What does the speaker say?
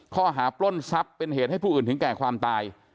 ปล้นทรัพย์เป็นเหตุให้ผู้อื่นถึงแก่ความตาย